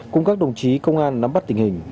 cùng các đồng chí công an nắm bắt tình hình